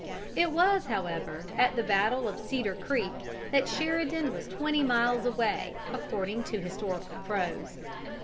It was, however, at the battle of Cedar Creek that Sheridan was twenty miles away, according to historical prose.